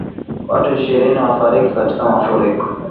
Watu ishirini wafariki katika mafuriko